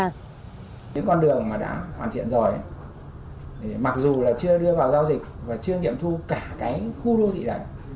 những con đường mà đã hoàn thiện rồi mặc dù chưa đưa vào giao dịch và chưa kiểm thu cả khu đô thị đẩy